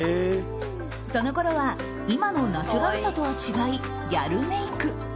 そのころは今のナチュラルさとは違いギャルメイク。